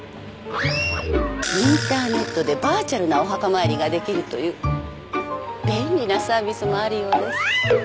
インターネットでバーチャルなお墓参りができるという便利なサービスもあるようです。